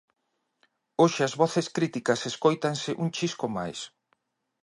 Hoxe as voces críticas escóitanse un chisco máis.